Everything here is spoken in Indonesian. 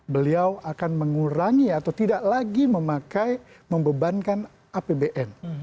beliau akan mengurangi atau tidak lagi memakai membebankan apbn